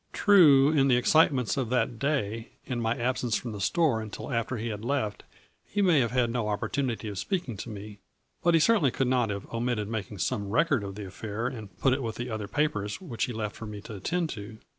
True, in the excite ments of that day, and my absence from the store until after he had left, he may have had no opportunity of speaking to me, but he cer tainly could not have omitted to make some record of the affair and put it with the other papers which he left for me to attend to.